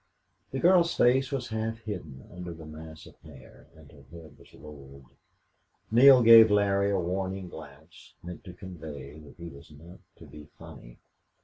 The girl's face was half hidden under the mass of hair, and her head was lowered. Neale gave Larry a warning glance, meant to convey that he was not to be funny.